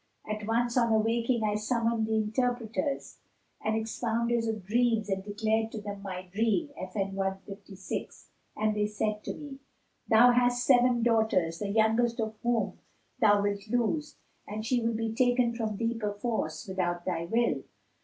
At once on awaking I summoned the interpreters and expounders of dreams and declared to them my dream,[FN#156] and they said to me: 'Thou hast seven daughters, the youngest of whom thou wilt lose, and she will be taken from thee perforce, without thy will.'